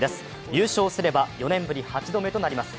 優勝すれば４年ぶり８度目となります。